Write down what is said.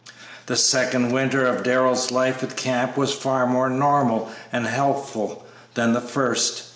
This second winter of Darrell's life at camp was far more normal and healthful than the first.